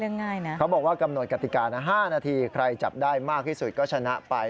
ไม่ใช่เรื่องง่ายนะเขาบอกว่ากำหนดกฎิการ๕นาทีใครจับได้มากที่สุดก็ชนะไป